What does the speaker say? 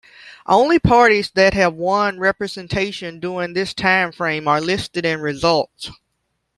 Only parties that have won representation during this timeframe are listed in results.